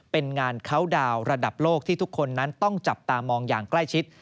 เป็นงานเขาดาวน์ระดับโลกที่ทุกคนนั้นต้องจับตามองอย่างใกล้ชิด